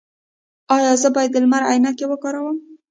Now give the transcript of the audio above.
ایا زه باید د لمر عینکې وکاروم؟